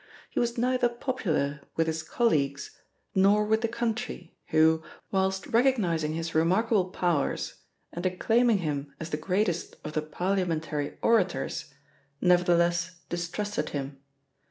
He was neither popular with his colleagues, nor with the country who, whilst recognising his remarkable powers and acclaiming him as the greatest of the parliamentary orators, nevertheless distrusted him.